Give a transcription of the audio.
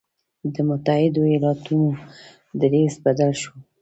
د متحدو ایالتونو دریځ بدل شو.